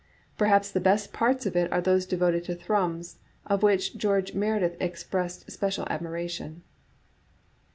Perhaps the best parts of it are those devoted to Thrums, of which George Meredith expressed special admiration.